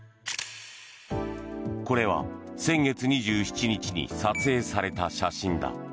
これは先月２７日に撮影された写真だ。